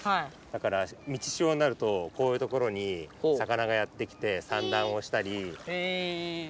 だから満ち潮になるとこういうところに魚がやって来てさんらんをしたり。へ。